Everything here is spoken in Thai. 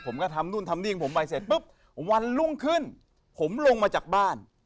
ผมก็ทำนู่นทำนี่ของผมไปเสร็จปุ๊บวันรุ่งขึ้นผมลงมาจากบ้าน